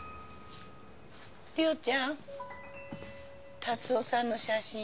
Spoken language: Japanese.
梨央ちゃん達雄さんの写真